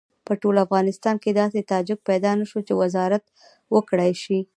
په ټول افغانستان کې داسې تاجک پیدا نه شو چې وزارت وکړای شي.